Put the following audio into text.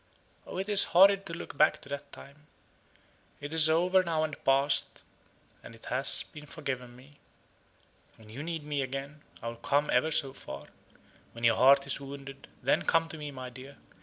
Oh, it is horrid to look back to that time. It is over now and past, and it has been forgiven me. When you need me again, I will come ever so far. When your heart is wounded, then come to me, my dear.